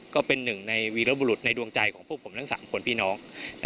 ก็เป็นหนึ่งในวีรบุรุษในดวงใจของพวกผมทั้ง๓คนพี่น้อง